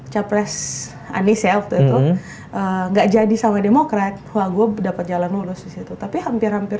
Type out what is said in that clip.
capres anies ya waktu itu enggak jadi sama demokrat wah gue dapat jalan lulus disitu tapi hampir hampir